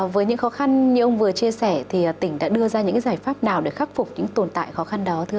với những khó khăn như ông vừa chia sẻ thì tỉnh đã đưa ra những giải pháp nào để khắc phục những tồn tại khó khăn đó